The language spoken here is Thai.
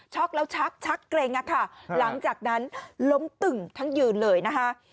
อกแล้วชักชักเกร็งอะค่ะหลังจากนั้นล้มตึ่งทั้งยืนเลยนะคะ